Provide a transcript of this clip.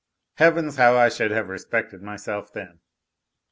Heavens, how I should have respected myself, then.